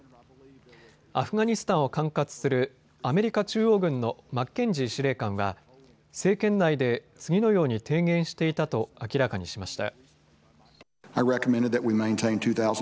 アフガニスタンを管轄するアメリカ中央軍のマッケンジー司令官は政権内で次のように提言していたと明らかにしました。